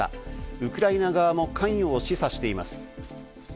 ウクライナ側も関与を示唆しています。